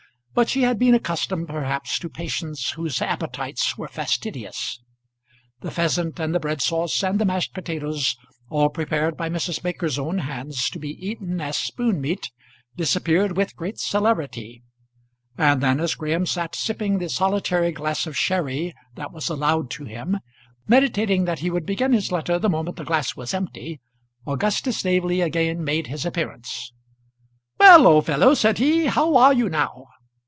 But she had been accustomed perhaps to patients whose appetites were fastidious. The pheasant and the bread sauce and the mashed potatoes, all prepared by Mrs. Baker's own hands to be eaten as spoon meat, disappeared with great celerity; and then, as Graham sat sipping the solitary glass of sherry that was allowed to him, meditating that he would begin his letter the moment the glass was empty, Augustus Staveley again made his appearance. [Illustration: "Bread Sauce is so ticklish."] "Well, old fellow," said he, "how are you now?"